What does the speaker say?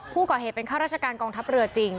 ผู้ก่อเหตุเป็นข้าราชการกองทัพเรือจริง